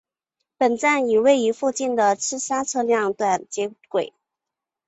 本站与位于附近的赤沙车辆段接轨。